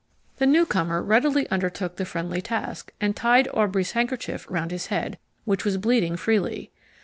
The newcomer readily undertook the friendly task, and tied Aubrey's handkerchief round his head, which was bleeding freely.